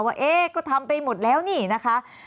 ว่าเอ๊ะก็ทำไปหมดแล้วนี่นะคะ